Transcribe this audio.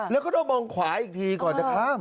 แล้วก็ต้องมองขวาอีกทีก่อนจะข้าม